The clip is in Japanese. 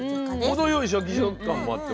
程よいシャキシャキ感もあっておいしかった。